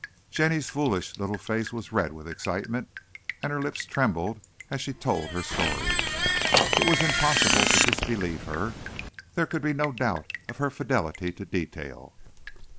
Jenny's foolish little face was red with excitement and her lips trembled as she told her story. It was impossible to disbelieve her, there could be no doubt of her fidelity to detail.